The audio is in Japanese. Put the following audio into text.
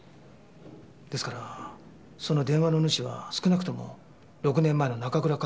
ですからその電話の主は少なくとも６年前の中倉佳世を知っている。